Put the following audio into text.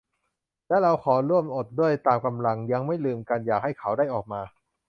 และเราขอร่วมอดด้วยตามกำลัง ยังไม่ลืมกัน อยากให้เขาได้ออกมา